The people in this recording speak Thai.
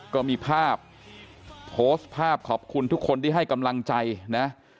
ก็มีภาพโพสต์ภาพขอบคุณทุกคนที่ให้กำลังใจนะ